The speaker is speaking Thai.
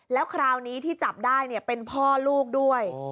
แล้วคราวนี้ที่จับได้เป็นพ่อลูกด้วย